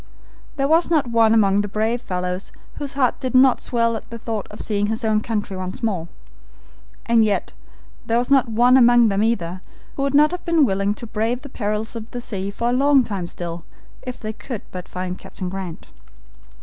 There was not one among the brave fellows whose heart did not swell at the thought of seeing his own country once more; and yet there was not one among them either who would not have been willing to brave the perils of the sea for a long time still if they could but find Captain Grant.